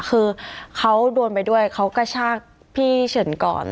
คือเขาโดนไปด้วยเขากระชากพี่เฉินก่อน